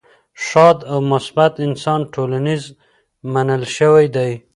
ښاد او مثبت انسان ټولنیز منل شوی دی.